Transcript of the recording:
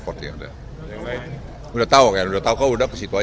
lokasinya dimana mungkin bisa di ceritakan